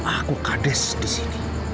aku kades di sini